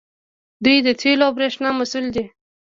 دوی د تیلو او بریښنا مسوول دي.